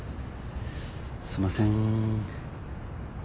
すんません。